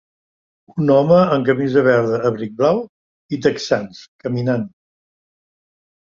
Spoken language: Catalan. Un home amb camisa verda, abric blau i texans caminant.